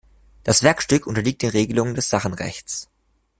Das Werkstück unterliegt den Regelungen des Sachenrechts.